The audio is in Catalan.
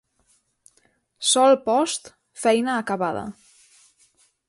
Sol post, feina acabada.